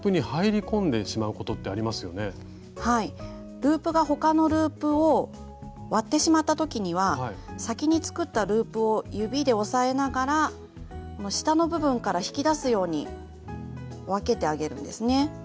ループが他のループを割ってしまった時には先に作ったループを指で押さえながら下の部分から引き出すように分けてあげるんですね。